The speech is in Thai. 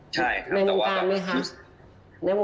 แล้วมันต้องรับมั้ยครับ